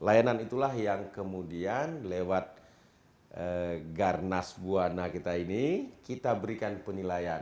layanan itulah yang kemudian lewat garnas buwana kita ini kita berikan penilaian